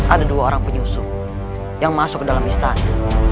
ada dua orang penyusu yang masuk ke dalam istana